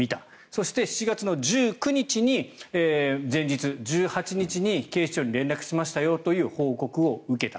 そして、７月１９日に前日１８日に警視庁に連絡しましたよという報告を受けた。